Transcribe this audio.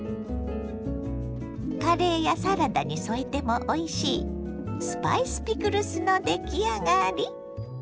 カレーやサラダに添えてもおいしいスパイスピクルスの出来上がり。